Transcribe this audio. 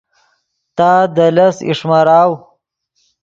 تا دے لس اݰمراؤ